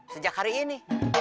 sejak hari ini